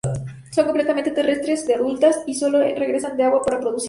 Son completamente terrestres de adultas y sólo regresan al agua para reproducirse.